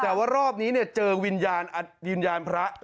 แต่ว่ารอบนี้เจอวิญญาณพระ